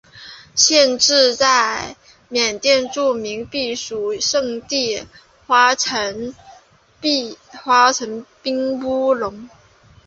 县治在缅甸著名避暑胜地花城彬乌伦。